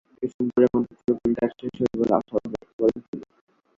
ডিসেম্বরের মধ্যে পুরোপুরি কাজ শেষ হবে বলে আশাবাদ ব্যক্ত করেন তিনি।